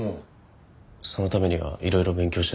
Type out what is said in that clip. そのためにはいろいろ勉強してたほうが。